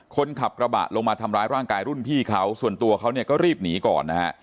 คนขับกระบะลงมาทำร้ายร่างกายรุ่นพี่เขาส่วนตัวเขาเนี่ยก็รีบหนีก่อนนะฮะ